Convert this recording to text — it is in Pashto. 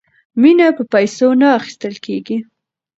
مینه په پیسو نه اخیستل کیږي.